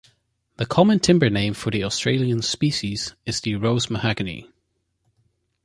The common timber name for the Australian species is the rose mahogany.